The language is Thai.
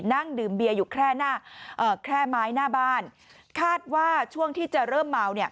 นั่งดื่มเบียร์อยู่แค่ไม้หน้าบ้านคาดว่าช่วงที่จะเริ่มเมา